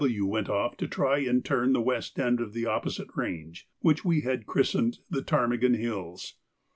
W. went off to try and turn the west end of the opposite range, which we had christened the Ptarmigan Hills.